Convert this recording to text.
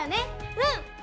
うん！